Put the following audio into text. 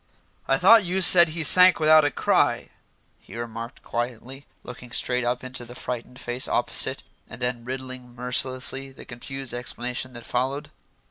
"I thought you said he sank without a cry," he remarked quietly, looking straight up into the frightened face opposite, and then riddling mercilessly the confused explanation that followed.